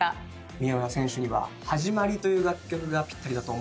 宮浦選手には『はじまり』という楽曲がぴったりだと思います。